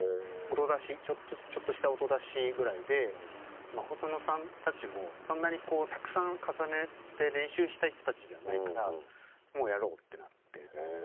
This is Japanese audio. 音出しちょっとした音出しぐらいでまあ細野さんたちもそんなにこうたくさん重ねて練習したい人たちじゃないからもうやろうってなって。